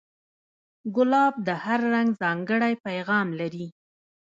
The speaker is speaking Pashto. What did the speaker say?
ګلاب د هر رنگ ځانګړی پیغام لري.